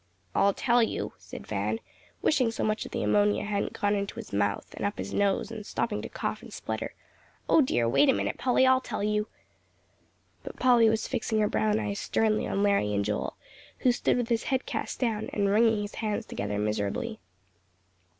"I'll tell you," said Van, wishing so much of the ammonia hadn't gone into his mouth, and up his nose, and stopping to cough and splutter. "O dear, wait a minute, Polly, I'll tell you!" But Polly was fixing her brown eyes sternly on Larry and Joel, who stood with his head cast down, and wringing his hands together miserably.